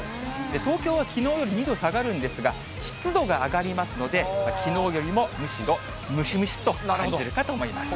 東京はきのうより２度下がるんですが、湿度が上がりますので、きのうよりもむしろムシムシっと感じるかと思います。